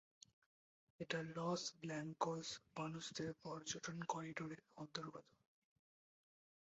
এটা Los Blancos মানুষদের পর্যটন করিডোরের অন্তর্গত।